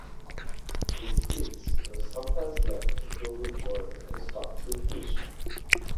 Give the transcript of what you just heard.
These pits were sometimes left to fill with water and stocked with fish.